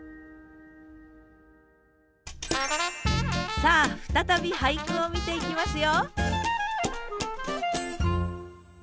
さあ再び俳句を見ていきますよ！